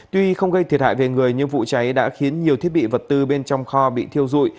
tuy không gây thiệt hại về người nhưng vụ cháy đã khiến nhiều thiết bị vật tư bên trong kho bị thiêu dụi